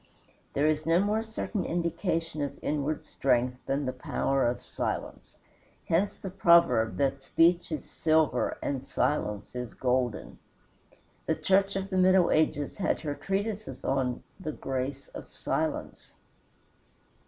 There is no more certain indication of inward strength than the power of silence. Hence the proverb that speech is silver and silence is golden. The Church of the middle ages had her treatises on "The Grace of Silence."